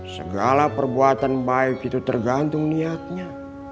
segala perbuatan baik itu tergantung niatnya